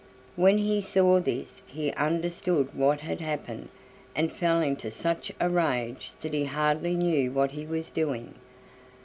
When he saw this, he understood what had happened, and fell into such a rage that he hardly knew what he was doing.